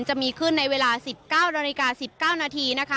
จะมีขึ้นในเวลา๑๙นาฬิกา๑๙นาทีนะคะ